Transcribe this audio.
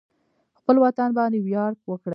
خپل وطن باندې ویاړ وکړئ